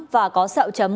và có sẹo chấm